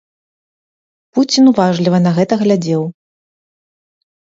Пуцін уважліва на гэта глядзеў.